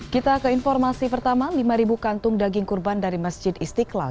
kita ke informasi pertama lima ribu kantung daging kurban dari masjid istiqlal